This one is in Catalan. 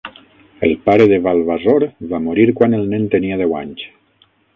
El pare de Valvasor va morir quan el nen tenia deu anys.